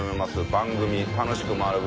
番組『楽しく学ぶ！